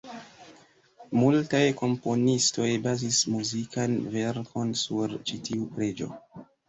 Multaj komponistoj bazis muzikan verkon sur ĉi tiu preĝo.